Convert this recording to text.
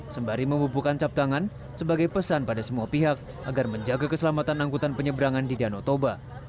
sembari membubuhkan cap tangan sebagai pesan pada semua pihak agar menjaga keselamatan angkutan penyeberangan di danau toba